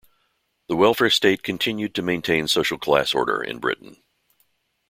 The welfare state continued to maintain social class order in Britain.